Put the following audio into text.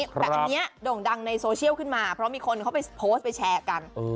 แต่อันนี้โด่งดังในโซเชียลขึ้นมาเพราะมีคนเขาไปโพสต์ไปแชร์กัน